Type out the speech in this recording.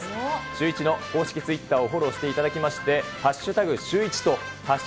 シューイチの公式ツイッターをフォローしていただきまして、＃